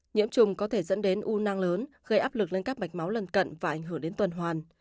nhiễm trùng có thể dẫn đến u nang lớn gây áp lực lên các mạch máu lần cận và ảnh hưởng đến tuần hoàn